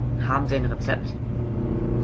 Haben Sie ein Rezept?